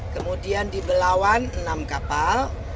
kemudian di belawan enam kapal